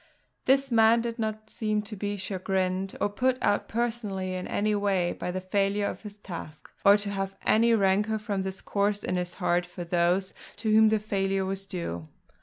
This man did not seem to be chagrined, or put out personally in any way, by the failure of his task, or to have any rancour, from this cause, in his heart for those to whom the failure was due.